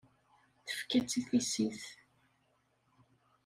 Tefka-tt i tissit.